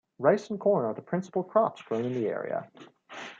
Rice and corn are the principal crops grown in the area.